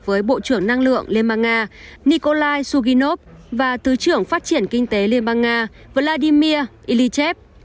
với bộ trưởng năng lượng liên bang nga nikolai suginov và thứ trưởng phát triển kinh tế liên bang nga vladimir ilychev